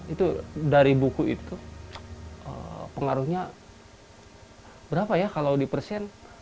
itu dari buku itu pengaruhnya berapa ya kalau di persen